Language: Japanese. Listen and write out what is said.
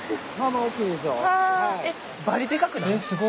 バリでかくない？